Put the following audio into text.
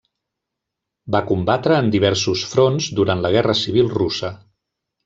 Va combatre en diversos fronts durant la Guerra Civil Russa.